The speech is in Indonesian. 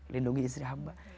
lindungi istri hamba